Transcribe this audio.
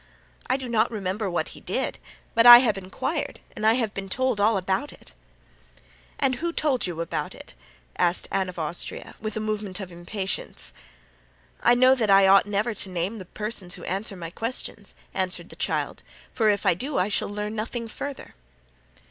"I do not remember what he did, but I have inquired and I have been told all about it." "And who told you about it?" asked Anne of Austria, with a movement of impatience. "I know that I ought never to name the persons who answer my questions," answered the child, "for if I do I shall learn nothing further."